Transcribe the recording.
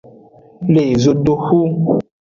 Le zodoxu.